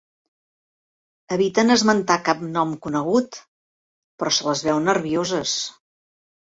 Eviten esmentar cap nom conegut, però se les veu nervioses.